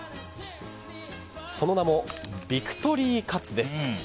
その名もビクトリーカツです。